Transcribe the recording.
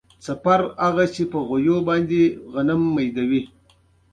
هغه د ملي امنیت د لومړي پوړ په تالار کې موجود وو.